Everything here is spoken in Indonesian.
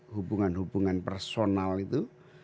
hubungan hubungan personal itu